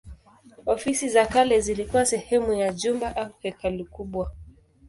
Ofisi za kale zilikuwa sehemu ya jumba au hekalu kubwa.